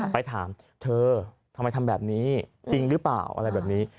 ไปถามเธอทำไมทำแบบนี้จริงหรือเปล่าอะไรแบบนี้